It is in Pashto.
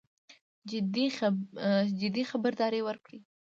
جدي خبرداری ورکړ.